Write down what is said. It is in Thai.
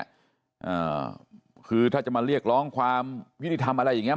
เอ่อคือถ้าจะมาเรียกร้องความวิวดีที่ทำอะไรอย่างงี้